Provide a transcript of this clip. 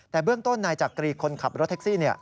แต่เบื้องต้นนายจักรีคนขับรถแท็กซี่